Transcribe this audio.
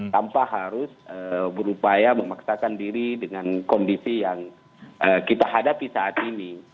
tanpa harus berupaya memaksakan diri dengan kondisi yang kita hadapi saat ini